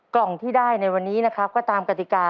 กล่องที่ได้ในวันนี้นะครับก็ตามกติกา